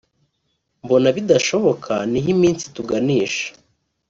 Mbona bidashoboka niho iminsi ituganisha